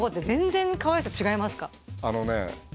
あのね